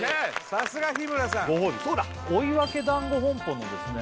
さすが日村さんごほうび追分だんご本舗のですね